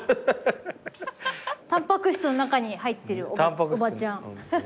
タンパク質の中に入ってるおばちゃん。